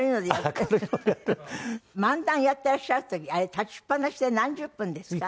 漫談やってらっしゃる時あれ立ちっぱなしで何十分ですか？